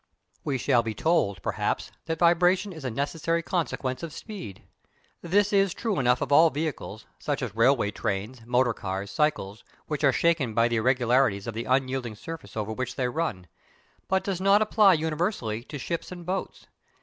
We shall be told, perhaps, that vibration is a necessary consequence of speed. This is true enough of all vehicles, such as railway trains, motor cars, cycles, which are shaken by the irregularities of the unyielding surface over which they run, but does not apply universally to ships and boats.